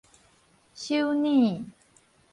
首爾